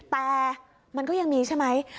แต่มันก็ยังมีใช่ไหม